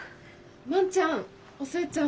・万ちゃんお寿恵ちゃん